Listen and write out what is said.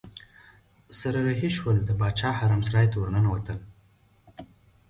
سره رهي شول د باچا حرم سرای ته ورننوتل.